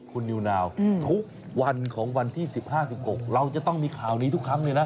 คุณนิวนาวทุกวันของวันที่๑๕๑๖เราจะต้องมีข่าวนี้ทุกครั้งเลยนะ